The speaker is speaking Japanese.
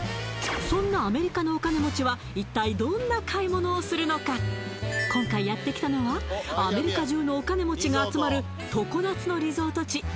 そんなアメリカのお金持ちは一体どんな買い物をするのか今回やってきたのはアメリカ中のお金持ちが集まる常夏のリゾート地